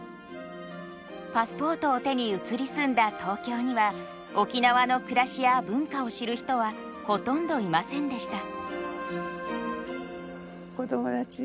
パスポートを手に移り住んだ東京には沖縄の暮らしや文化を知る人はほとんどいませんでした。